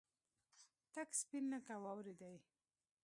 تک سپين لکه واورې دي.